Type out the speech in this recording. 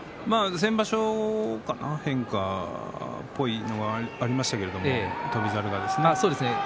先場所かな変化っぽいのがありましたけれども翔猿が。